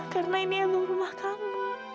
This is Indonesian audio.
karena ini yang menghormat kamu